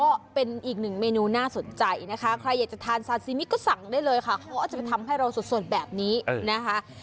ก็เป็นอีกหนึ่งเมนูน่าสนใจนะคะใครอยากจะทานซาซิมิก็สั่งได้เลยค่ะเขาอาจจะไปทำให้เราสดแบบนี้นะคะ